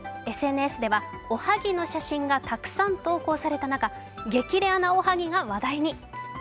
ＳＮＳではおはぎの写真がたくさん投稿された中、激レアなおはぎが話題に。